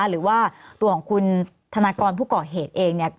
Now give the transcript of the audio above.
หรือว่าตัวของคุณธนากรผู้ก่อเหตุเองเนี่ย